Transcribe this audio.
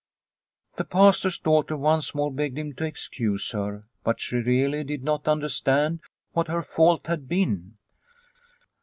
The Pastor's daughter once more begged him to excuse her, but she really did not understand what her fault had been.